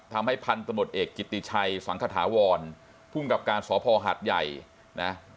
ทำให้พันธมตเอกกิติชัยสังขถาวรภูมิกับการสพหัดใหญ่นะ